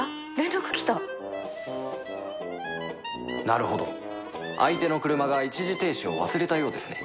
なるほど相手の車が一時停止を忘れたようですね